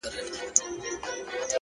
پرمختګ د تکرار نه ستړی کېدل دي!.